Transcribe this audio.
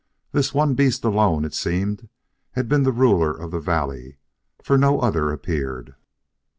This one beast alone, it seemed, had been the ruler of the valley, for no other appeared.